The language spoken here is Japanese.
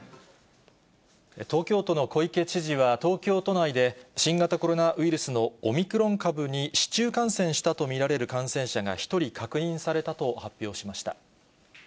東京都の小池知事は、東京都内で、新型コロナウイルスのオミクロン株に市中感染したと見られる感染者が１人確認されたと発表しました。